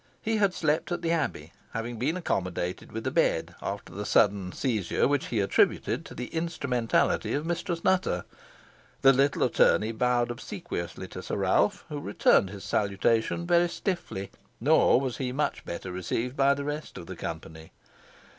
He had slept at the Abbey, having been accommodated with a bed after the sudden seizure which he attributed to the instrumentality of Mistress Nutter. The little attorney bowed obsequiously to Sir Ralph, who returned his salutation very stiffly, nor was he much better received by the rest of the company.